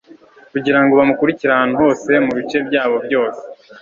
kugirango bamurikire ahantu hose mubice byabo byose